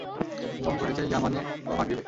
যেমন ঘটেছে ইয়ামানে ও মাগরিবে।